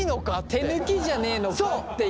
手抜きじゃねえのかっていう感じだよね。